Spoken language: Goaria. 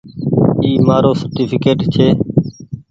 اي مآرو سرٽيڦڪيٽ ڇي۔